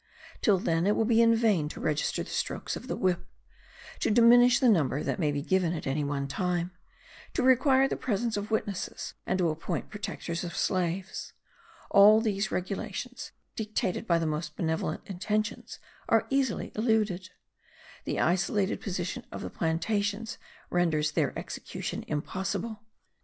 Till then it will be in vain to register the strokes of the whip, to diminish the number that may be given at one time, to require the presence of witnesses and to appoint protectors of slaves; all these regulations, dictated by the most benevolent intentions, are easily eluded: the isolated position of the plantations renders their execution impossible.